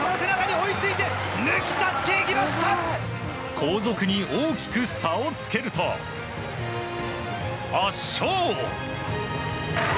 後続に大きく差をつけると圧勝！